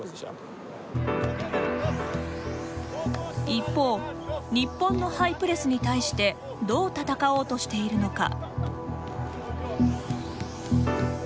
一方日本のハイプレスに対してどう戦おうとしているのか。